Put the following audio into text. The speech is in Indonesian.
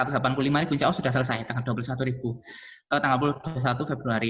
sudah selesai tanggal dua puluh satu februari